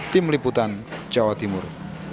tim liputan jawa timur